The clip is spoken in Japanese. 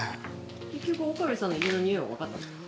結局岡部さんの家の匂いは分かったんですか？